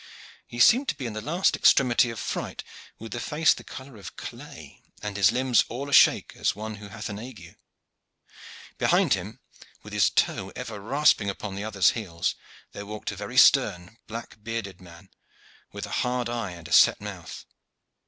He seemed to be in the last extremity of fright, with a face the color of clay and his limbs all ashake as one who hath an ague. Behind him, with his toe ever rasping upon the other's heels, there walked a very stern, black bearded man with a hard eye and a set mouth.